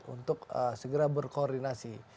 untuk segera berkoordinasi